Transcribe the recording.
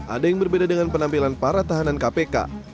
ada yang berbeda dengan penampilan para tahanan kpk